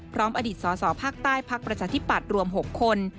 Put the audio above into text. พร้อมอดีตสสภักดิ์ใต้ภักดิ์ประชาธิปัตย์รวม๖คน